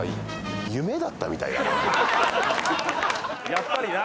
やっぱりな。